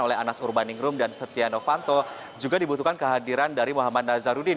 oleh anas urbaningrum dan setia novanto juga dibutuhkan kehadiran dari muhammad nazarudin